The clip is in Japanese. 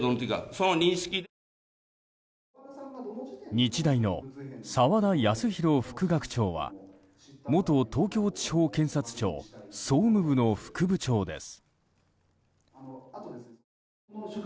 日大の澤田康広副学長は元東京地検検察庁総務部の副部長です。